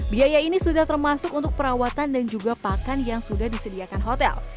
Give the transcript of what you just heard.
biaya ini sudah termasuk untuk perawatan dan juga pakan yang sudah disediakan hotel